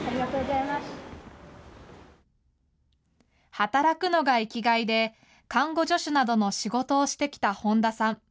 働くのが生きがいで、看護助手などの仕事をしてきた本田さん。